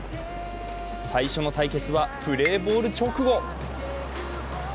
最初の対決はプレーボール直後。